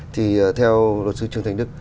thì theo luật sư trương thanh đức